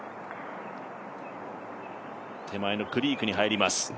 手前のクリークに入ります。